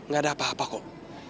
gak ada apa apa kok